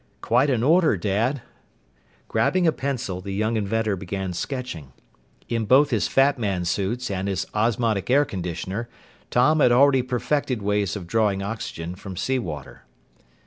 "Quite an order, Dad." Grabbing a pencil, the young inventor began sketching. In both his Fat Man suits and his osmotic air conditioner, Tom had already perfected ways of drawing oxygen from sea water.